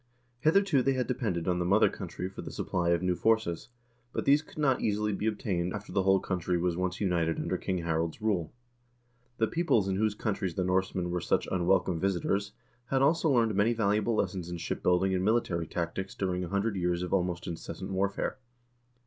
Hitherto they had depended on the mother country for the supply of new forces, but these could not easily be obtained after the whole country was once united under King Harald's rule. The peoples in whose coun tries the Norsemen were such unwelcome visitors had also learned many valuable lessons in ship building and military tactics during a hundred years of almost incessant warfare.